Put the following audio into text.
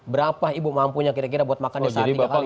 berapa ibu mampunya kira kira buat makan di saat tiga kali